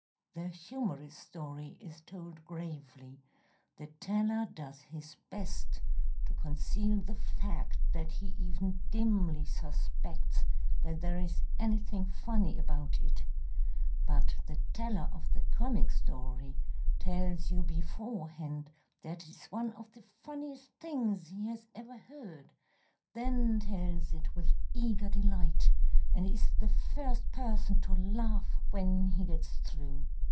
The humorous story is told gravely; the teller does his best to conceal the fact that he even dimly suspects that there is anything funny about it; but the teller of the comic story tells you beforehand that it is one of the funniest things he has ever heard, then tells it with eager delight, and is the first person to laugh when he gets through.